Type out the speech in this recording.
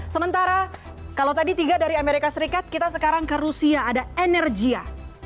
sementara kalau tadi tiga dari amerika serikat kita sekarang ke rusia ada energia